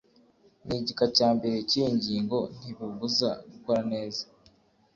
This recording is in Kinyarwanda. n igika cya mbere cy iyi ngingo ntibubuza gukora neza